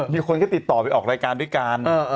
มีคนก็ติดต่อไปออกรายการด้วยกัน